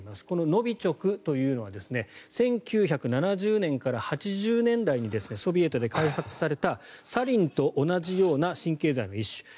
このノビチョクというのは１９７０年から８０年代にソビエトで開発されたサリンと同じような神経剤の一種。